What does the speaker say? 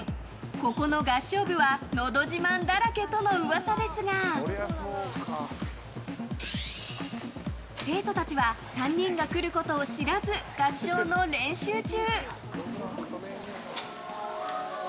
ここの合唱部はのど自慢だらけとの噂ですが生徒たちは３人が来ることを知らず合唱の練習中。